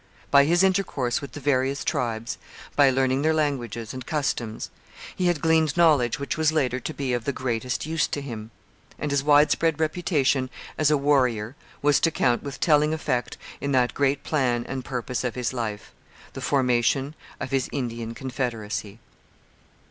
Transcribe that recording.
By his intercourse with the various tribes, by learning their languages and customs, he had gleaned knowledge which was later to be of the greatest use to him; and his widespread reputation as a warrior was to count with telling effect in that great plan and purpose of his life the formation of his Indian confederacy.